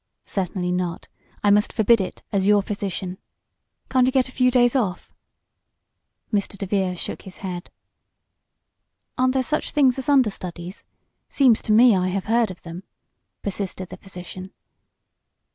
"Certainly not. I must forbid it as your physician. Can't you get a few days off?" Mr. DeVere shook his head. "Aren't there such things as understudies? Seems to me I have heard of them," persisted the physician.